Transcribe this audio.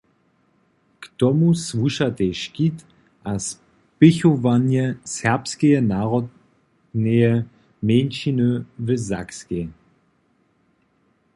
K tomu słušatej škit a spěchowanje serbskeje narodneje mjeńšiny w Sakskej.